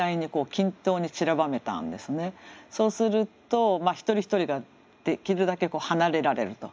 そうすると一人一人ができるだけ離れられると。